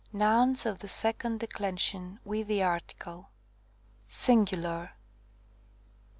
Nouns of the second declension, with the article. Singular. .